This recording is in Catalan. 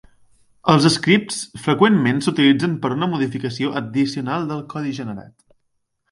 Els scripts freqüentment s'utilitzen per a una modificació addicional del codi generat.